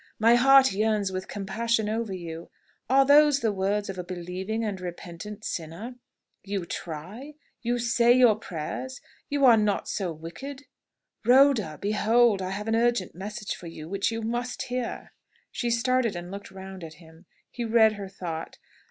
"My heart yearns with compassion over you. Are those the words of a believing and repentant sinner? You 'try!' You 'say your prayers!' You are 'not so wicked!' Rhoda, behold, I have an urgent message for you, which you must hear!" She started and looked round at him. He read her thought.